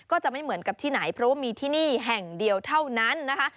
ก็จะไม่เหมือนกับที่ไหนเพราะว่ามีที่นี่แห่งเดียวเท่านั้นนะคะ